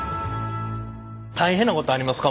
大変なことありますか？